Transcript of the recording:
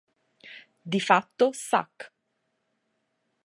Di fatto, Suck!